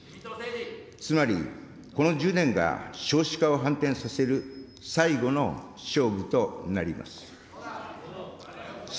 つまり、この１０年が少子化を反転させる最後の勝負となります。